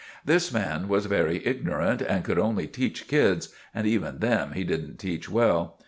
This man was very ignorant and could only teach kids, and even them he didn't teach well.